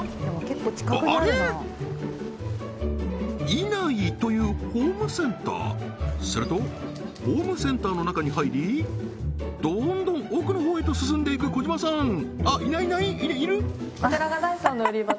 「いない」というホームセンターするとホームセンターの中に入りどんどん奥のほうへと進んでいく児島さんあっいないいないいるいる？